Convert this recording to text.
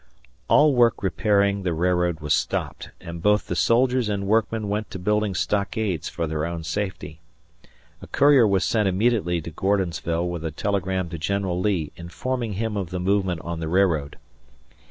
All work repairing the railroad was stopped, and both the soldiers and workmen went to building stockades for their own safety. A courier was sent immediately to Gordonsville with a telegram to General Lee informing him of the movement on the railroad.